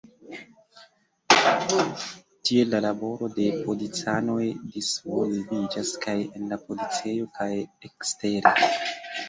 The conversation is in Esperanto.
Tiel la laboro de policanoj disvolviĝas kaj en la policejo kaj ekstere.